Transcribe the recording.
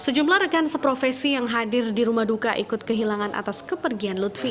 sejumlah rekan seprofesi yang hadir di rumah duka ikut kehilangan atas kepergian lutfi